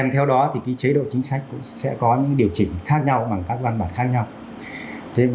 theo đó thì chế độ chính sách cũng sẽ có những điều chỉnh khác nhau bằng các văn bản khác nhau